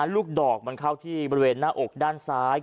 ลูกดอกเข้าที่เนื้อในน้าอกด้านซ้าย